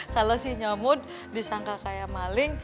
kalau si nyomut disangka kayak maling